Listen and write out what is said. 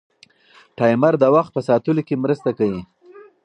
ټایمر د وخت په ساتلو کې مرسته کوي.